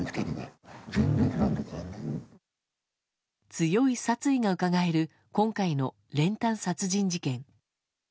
強い殺意がうかがえる今回の練炭殺人事件。